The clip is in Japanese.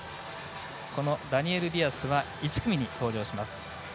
ダニエル・ディアスは１組に登場します。